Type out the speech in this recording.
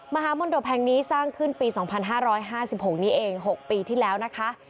มหามนตบแห่งนี้สร้างขึ้นปี๒๕๕๖นี้เอง๖ปีที่แล้วนะคะ